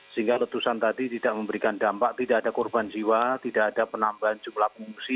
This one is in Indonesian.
sehingga letusan tadi tidak memberikan dampak tidak ada korban jiwa tidak ada penambahan jumlah pengungsi